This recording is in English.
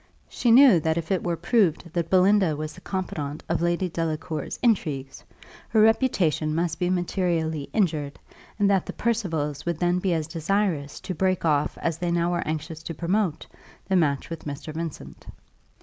She knew that if it were proved that Belinda was the confidante of Lady Delacour's intrigues, her reputation must be materially injured, and that the Percivals would then be as desirous to break off as they now were anxious to promote the match with Mr. Vincent.